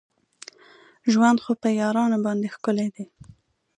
ژوند خو په یارانو باندې ښکلی دی.